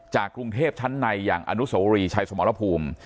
จากกรุงเทพชั้นในอย่างอศวรีชายสมรภูมิ